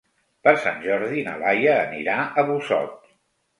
Per Sant Jordi na Laia anirà a Busot.